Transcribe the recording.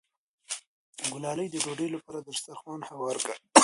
ګلالۍ د ډوډۍ لپاره دسترخوان هوار کړ.